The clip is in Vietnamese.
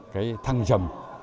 cái thăng trầm